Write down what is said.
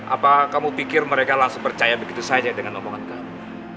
apa kamu pikir mereka langsung percaya begitu saja dengan omongan kami